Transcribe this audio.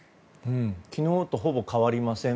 昨日とほぼ変わりません。